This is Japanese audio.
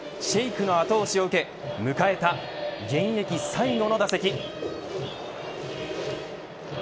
Ｓｈａｋｅの後押しを受け、迎えた現役最後の打席。